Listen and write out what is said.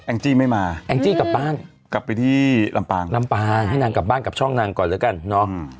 จี้ไม่มาแองจี้กลับบ้านกลับไปที่ลำปางลำปางให้นางกลับบ้านกับช่องนางก่อนแล้วกันเนาะ